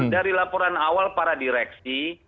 dari laporan awal para direksi